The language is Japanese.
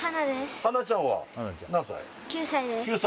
花ちゃんは何歳？